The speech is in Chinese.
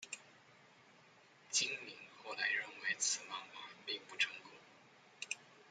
今敏后来认为此漫画并不成功。